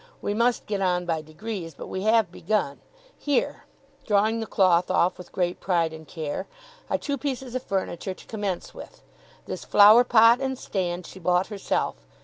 We must get on by degrees, but we have begun. Here,' drawing the cloth off with great pride and care, 'are two pieces of furniture to commence with. This flower pot and stand, she bought herself.